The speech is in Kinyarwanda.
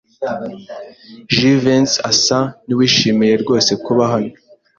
Jivency asa nuwishimiye rwose kuba hano.